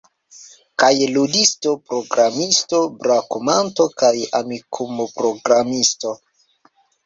Kaj ludisto, programisto, brakumanto kaj Amikum-programisto